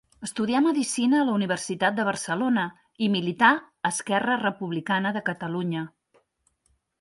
Estudià medicina a la Universitat de Barcelona i milità a Esquerra Republicana de Catalunya.